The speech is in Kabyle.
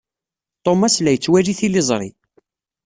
Thomas la yettwali tiliẓri.